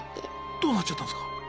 どうなっちゃったんすか？